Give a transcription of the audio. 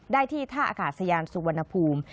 ได้ที่ท่าอากาศยานสุวรรณภูมิ